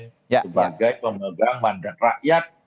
sebagai pemegang mandat rakyat